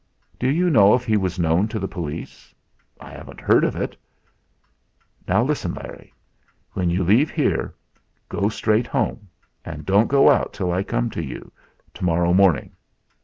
"Do you know if he was known to the police?" "I haven't heard of it." "Now, listen, Larry. When you leave here go straight home, and don't go out till I come to you, to morrow morning.